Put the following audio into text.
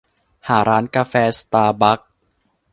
หาร้านกาแฟสตาร์บักส์